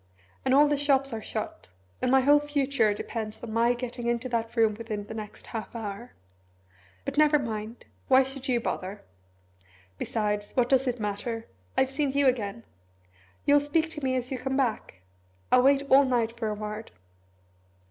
"And all the shops are shut and my whole future depends on my getting into that room within the next half hour. But never mind! Why should you bother? Besides, what does it matter? I've seen you again. You'll speak to me as you come back? I'll wait all night for a word."